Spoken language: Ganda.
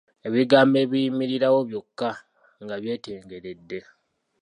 Ebigambo ebiyimirirawo byokka nga byetengeredde.